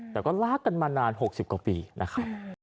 แต่ก็ลากันมานานหกสิบกว่าปีนะคะ